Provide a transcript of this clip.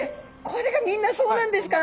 これがみんなそうなんですか？